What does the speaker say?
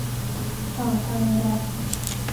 ข่าวไทยรัฐ